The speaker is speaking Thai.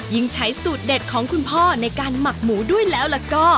ใช้สูตรเด็ดของคุณพ่อในการหมักหมูด้วยแล้วก็